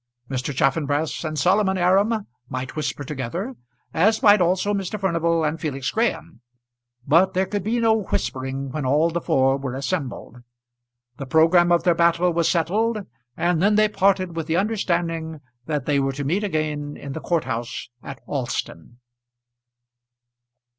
Mr. Chaffanbrass and Solomon Aram might whisper together, as might also Mr. Furnival and Felix Graham; but there could be no whispering when all the four were assembled. The programme of their battle was settled, and then they parted with the understanding that they were to meet again in the court house at Alston.